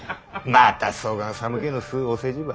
またそがん寒気のすっお世辞ば。